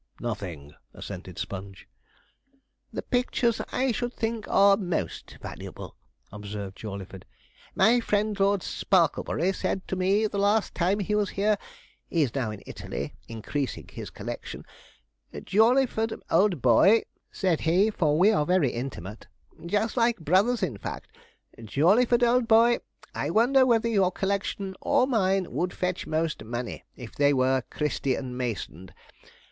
'Nothing,' assented Sponge. 'The pictures I should think are most valuable,' observed Jawleyford. 'My friend Lord Sparklebury said to me the last time he was here he's now in Italy, increasing his collection "Jawleyford, old boy," said he, for we are very intimate just like brothers, in fact; "Jawleyford, old boy, I wonder whether your collection or mine would fetch most money, if they were Christie & Manson'd."